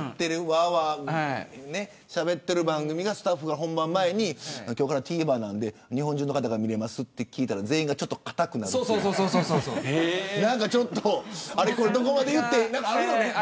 わーわーしゃべってる番組でスタッフが本番前に今日からＴＶｅｒなので日本中の方が見れますと聞いたら全員がちょっと固くなるというかどこまで言っていいかあるよね。